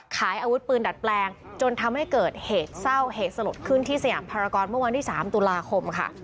ขายอาวุธปืนดัดแปลงจนทำให้เกิดเหตุเศร้าเหตุสลดขึ้นที่สยามภารกรเมื่อวันที่๓ตุลาคมค่ะ